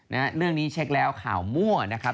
เรื่องนี้เช็คแล้วข่าวมั่วนะครับ